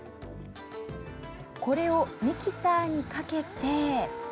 これをミキサーにかけて。